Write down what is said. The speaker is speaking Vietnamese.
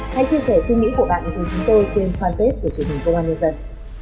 hãy chia sẻ suy nghĩ của bạn cùng chúng tôi trên fanpage của truyền hình công an nhân dân